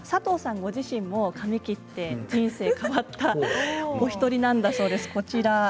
ご自身も髪を切って人生が変わったお一人なんだそうです。